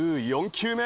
１５球目